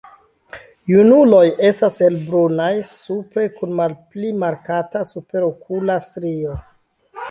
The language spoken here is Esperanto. Junuloj estas helbrunaj supre kun malpli markata superokula strio.